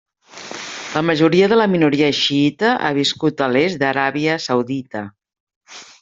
La majoria de la minoria xiïta, ha viscut a l'est d’Aràbia Saudita.